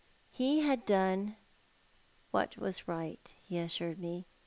He had done w C as r,,,,t, he assured me.